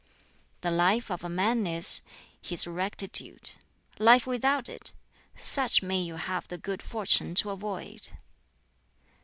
"The life of a man is his rectitude. Life without it such may you have the good fortune to avoid!